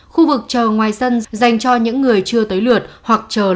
khu vực chờ ngoài sân dành cho các gia đình